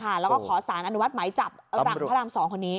แล้วก็ขอสารอนุมัติหมายจับหลังพระราม๒คนนี้